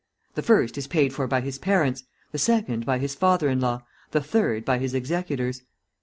The first is paid for by his parents, the second by his father in law, the third by his executors.